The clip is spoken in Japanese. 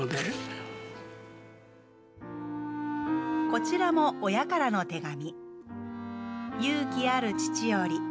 こちらも親からの手紙。